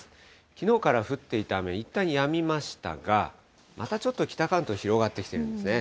きのうから降っていた雨、いったんやみましたが、またちょっと北関東、広がってきているんですね。